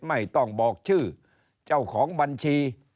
ไม่ต้องบอกชื่อเจ้าของบัญชี